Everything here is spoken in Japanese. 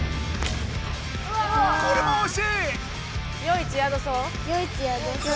これもおしい！